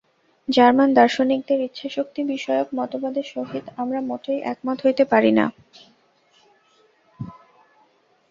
German দার্শনিকদের ইচ্ছাশক্তি-বিষয়ক মতবাদের সহিত আমরা মোটেই একমত হইতে পারি না।